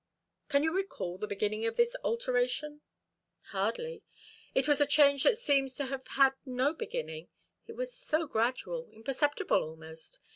"Can you recall the beginning of this alteration?" "Hardly. It was a change that seems to have had no beginning. It was so gradual imperceptible almost.